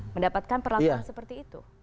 mendapatkan perlakuan seperti itu